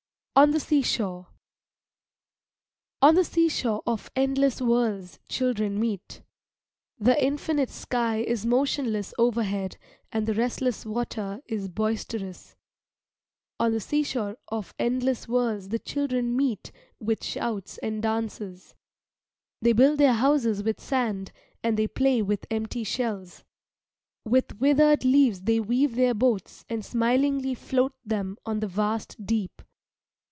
ON THE SEASHORE On the seashore of endless worlds children meet. The infinite sky is motionless overhead and the restless water is boisterous. On the seashore of endless worlds the children meet with shouts and dances. They build their houses with sand, and they play with empty shells. With withered leaves they weave their boats and smilingly float them on the vast deep.